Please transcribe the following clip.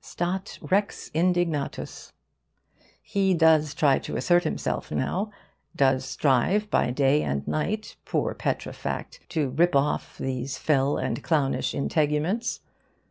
'Stat rex indignatus.' He does try to assert himself now does strive, by day and by night, poor petrefact, to rip off these fell and clownish integuments.